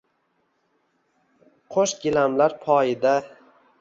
Qo’sh gilamlar poyida.